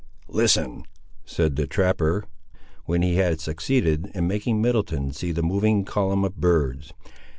"Listen," said the trapper, when he had succeeded in making Middleton see the moving column of birds.